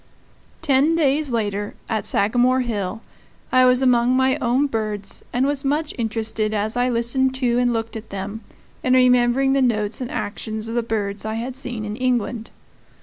Ten days later, at Sagamore Hill, I was among my own birds, and was much interested as I listened to and looked at them in remembering the notes and actions of the birds I had seen in England.